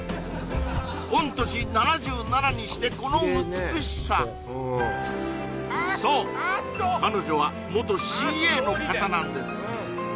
御年７７にしてこの美しさそう彼女は元ＣＡの方なんです